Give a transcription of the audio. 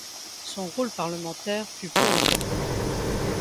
Son rôle parlementaire fut peu important.